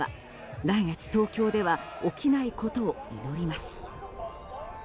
来月、東京では起きないことを祈ります。